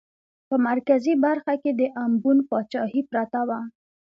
په مرکزي برخه کې د امبون پاچاهي پرته وه.